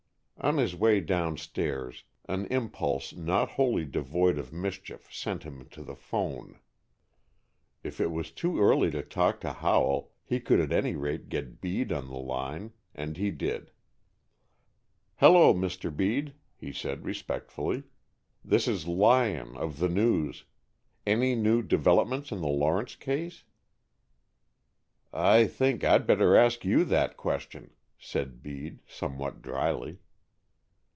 On his way downstairs, an impulse not wholly devoid of mischief sent him to the 'phone. If it was too early to talk to Howell, he could at any rate get Bede on the line, and he did. "Hello, Mr. Bede," he said, respectfully, "This is Lyon, of the News. Any new developments in the Lawrence case?" "I think I'd better ask you that question," said Bede, somewhat drily.